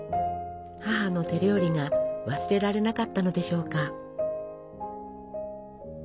母の手料理が忘れられなかったのでしょうか。